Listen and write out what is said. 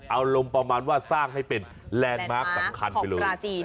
เอาลมประมาณว่าสร้างให้เป็นแลนด์มาร์คของปลาจีน